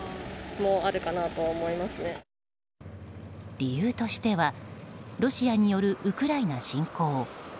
理由としてはロシアによるウクライナ侵攻。